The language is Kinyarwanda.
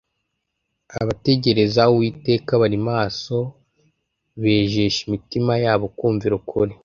Abategereza Uwiteka bari maso bejesha imitima yabo kumvira ukuri,